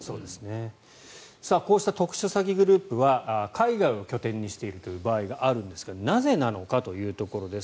こうした特殊詐欺グループは海外を拠点にしているという場合があるんですがなぜなのかというところです。